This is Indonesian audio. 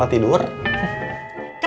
masih berani kamu